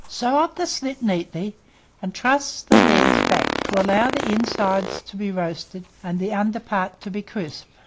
Sew up the slit neatly, and truss the legs back, to allow the inside to be roasted, and the under part to be crisp.